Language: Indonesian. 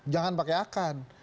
jangan pakai akan